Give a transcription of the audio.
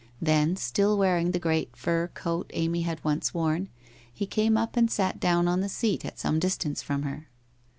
Then, still wearing the great fur coat Amy had once worn, he came up and sat down on the seat at some distance from her.